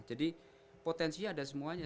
jadi potensi ada semuanya